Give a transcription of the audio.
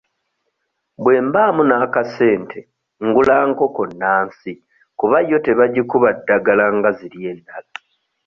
Bwe mbaamu n'akasente ngula nkoko nnansi kuba yo tebagikuba ddagala nga ziri endala.